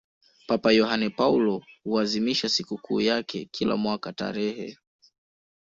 papa yohane paulo huazimisha sikukuu yake kila mwaka tarehe